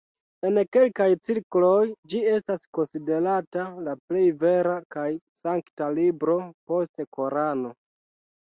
En kelkaj cirkloj ĝi estas konsiderata la plej vera kaj sankta libro post Korano.